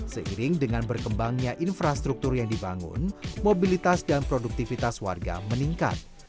seiring dengan berkembangnya infrastruktur yang dibangun mobilitas dan produktivitas warga meningkat